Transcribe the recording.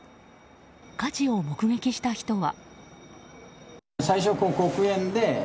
火事を目撃した人は。